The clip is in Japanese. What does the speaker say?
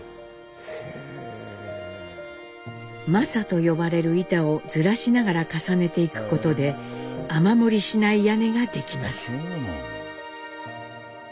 柾と呼ばれる板をずらしながら重ねていくことで雨漏りしない屋根ができます。